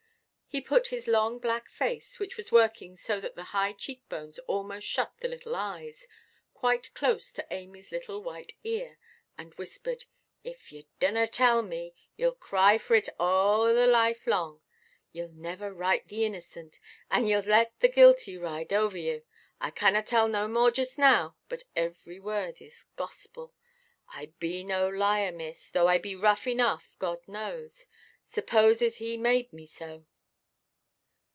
He put his long black face, which was working so that the high cheek–bones almost shut the little eyes, quite close to Amyʼs little white ear, and whispered, "If ye dunna tell me, yeʼll cry for it arl the life long, yeʼll never right the innocent, and yeʼll let the guilty ride over ye. I canna tell no more just now, but every word is gospel. I be no liar, miss, though I be rough enough, God knows. Supposes He made me so."